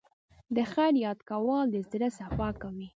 د خیر یاد کول د زړه صفا کوي.